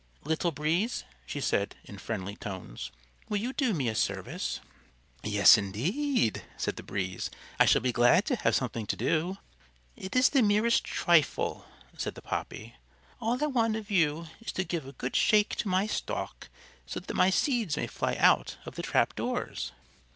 "Little Breeze," she said, in friendly tones, "will you do me a service?" "Yes, indeed," said the Breeze. "I shall be glad to have something to do." "It is the merest trifle," said the Poppy. "All I want of you is to give a good shake to my stalk, so that my seeds may fly out of the trap doors."